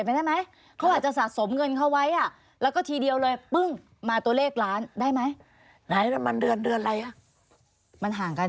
เป็นไปได้ไหม